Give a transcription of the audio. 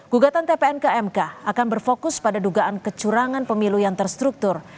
gugatan tpn ke mk akan berfokus pada dugaan kecurangan pemilu yang terstruktur